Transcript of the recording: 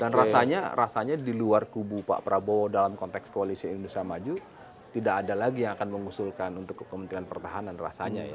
dan rasanya di luar kubu pak prabowo dalam konteks koalisi indonesia maju tidak ada lagi yang akan mengusulkan untuk kementerian pertahanan rasanya ya